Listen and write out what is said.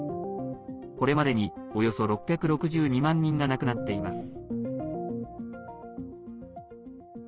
これまでに、およそ６６２万人が亡くなっています。